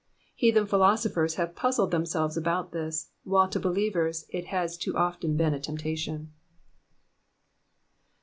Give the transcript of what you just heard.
Heathen phil osophers have puzzled thenhselves about this, while to believers it has too often been a temptation.